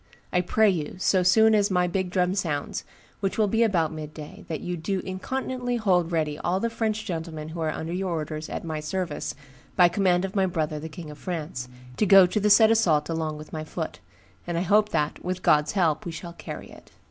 I pray you, so soon as my big drum sounds, which will be about midday, that you do incontinently hold ready all the French gentlemen who are under your orders at my service, by command of my brother the King of France, to go to the said assault along with my foot; and I hope that, with God's help we shall carry it.